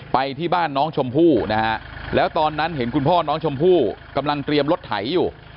ไปที่บ้านน้องชมพู่นะฮะแล้วตอนนั้นเห็นคุณพ่อน้องชมพู่กำลังเตรียมรถไถอยู่